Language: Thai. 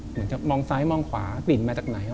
เหมือนจะมองซ้ายมองขวากลิ่นมาจากไหน